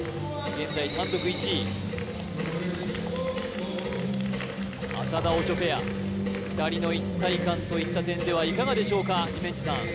現在単独１位浅田・オチョペア２人の一体感といった点ではいかがでしょうか治面地さん